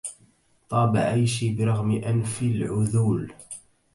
طاب عيشي برغم أنف العذول